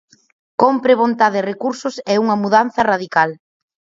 Cómpre vontade e recursos e unha mudanza radical.